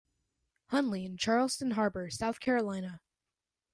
Hunley in Charleston Harbor, South Carolina.